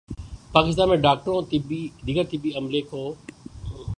پاکستان میں ڈاکٹروں اور دیگر طبی عملے کو